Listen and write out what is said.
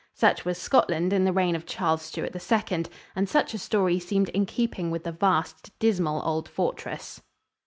Such was Scotland in the reign of Charles Stuart II, and such a story seemed in keeping with the vast, dismal old fortress.